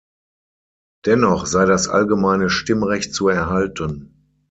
Dennoch sei das allgemeine Stimmrecht zu erhalten.